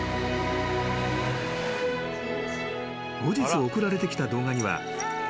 ［後日送られてきた動画には］